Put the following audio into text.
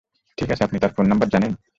Tick আছে, আপনি তার ফোন নম্বর জানেন?